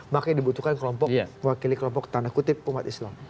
makanya dibutuhkan kelompok wakili kelompok tanda kutip umat islam